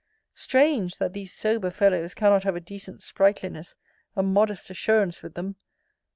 Strange! that these sober fellows cannot have a decent sprightliness, a modest assurance with them!